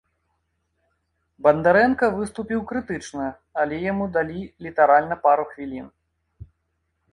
Бандарэнка выступіў крытычна, але яму далі літаральна пару хвілін.